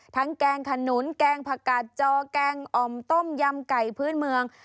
แกงขนุนแกงผักกาดจอแกงอ่อมต้มยำไก่พื้นเมือง